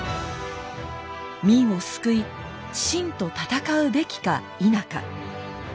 明を救い清と戦うべきか否か。